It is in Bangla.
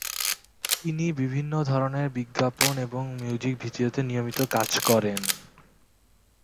তিনি বিভিন্ন ধরনের বিজ্ঞাপন এবং মিউজিক ভিডিওতে নিয়মিত কাজ করেন।